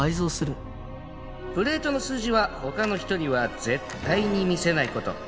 プレートの数字は他の人には絶対に見せない事。